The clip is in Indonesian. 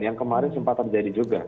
yang kemarin sempat terjadi juga